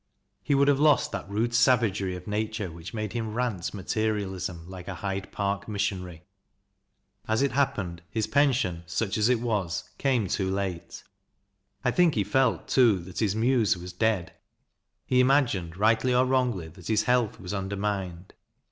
He would have lost that rude savagery of nature which made him rant materialism like a Hyde Park missionary. As it happened, his pension, such as it was, came too late. I think he felt, too, that his muse was dead He imagined, rightly or wrongly, that his health was undermined.